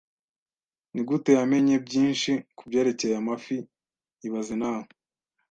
Nigute yamenye byinshi kubyerekeye amafi ibaze nawe